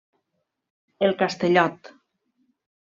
El Castellot.